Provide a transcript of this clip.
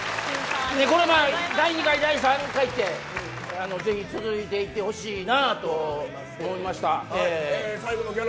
第２回、第３回って続いていってほしいなと思います。